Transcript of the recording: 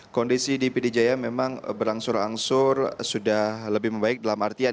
kondisi di pd jaya memang berangsur angsur sudah lebih membaik dalam artian